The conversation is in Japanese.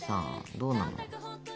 どうなの？